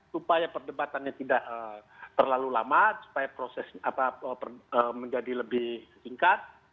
supaya perdebatannya tidak terlalu lama supaya prosesnya menjadi lebih singkat